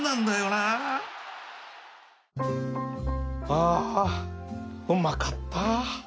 あうまかった。